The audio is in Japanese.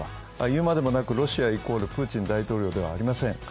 言うまでもなくロシア＝プーチン大統領ではありません。